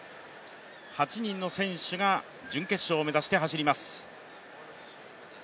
８人の選手が、準決勝を目指して走ります。